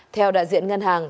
theo đại diện ngân hàng